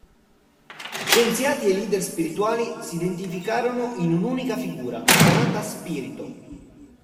Scienziati e leader spirituali si identificarono in un'unica figura, chiamata "Spirito".